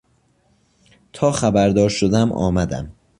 تا خبردار شدم آمدم.